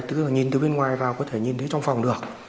tức là nhìn từ bên ngoài vào có thể nhìn thấy trong phòng được